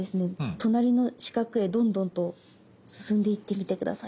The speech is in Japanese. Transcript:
隣の四角へどんどんと進んでいってみて下さい。